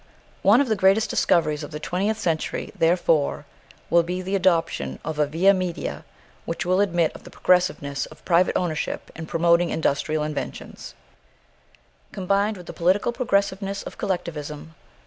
One of the greatest discoveries of the twentieth century, therefore, will be the adoption of a via media which will admit of the progressiveness of private ownership in promoting industrial inventions, combined with the political progressiveness of collectivism.